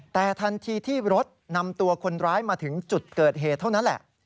แต่ทันทีที่รถนำตัวคนร้ายมาถึงจุดเกิดเหตุเท่านั้นแหละ